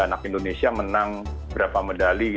anak indonesia menang berapa medali